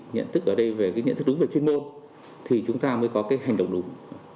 nhận thức ở đây về nhận thức đúng về chuyên môn thì chúng ta mới có hành động đúng